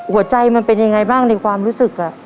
มันเป็นยังไงบ้างในความรู้สึก